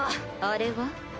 あれは？